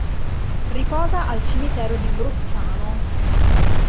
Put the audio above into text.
Riposa al cimitero di Bruzzano.